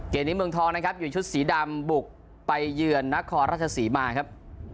เกมนี้เมืองทองนะครับอยู่ชุดสีดำบุกไปเยือนนครราชศรีมาครับ